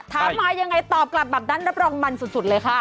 มายังไงตอบกลับแบบนั้นรับรองมันสุดเลยค่ะ